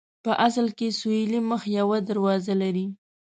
په اصل کې سویلي مخ یوه دروازه لري.